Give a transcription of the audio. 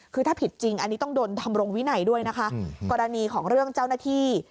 คือถ้าผิดจริงอันนี้ต้องโดนทำรงวินัยด้วยนะคะกรณีของเรื่องเจ้าหน้าที่